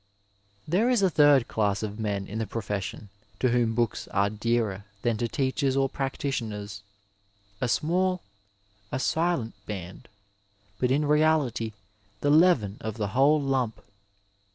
There is a third dass of men in the profession to whom books are dearer than to teachers or practitioners — a small, a silent band, but in reality the leaven of the whole lump.